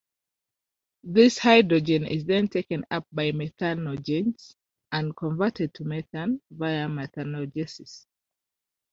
This hydrogen is then taken up by methanogens and converted to methane via methanogenesis.